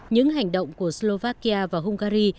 những hành động của slovakia và hungary